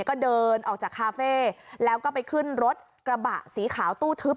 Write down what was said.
ก็เดินออกจากคาเฟ่แล้วก็ไปขึ้นรถกระบะสีขาวตู้ทึบ